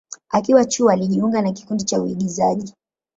Akiwa chuo, alijiunga na kikundi cha uigizaji.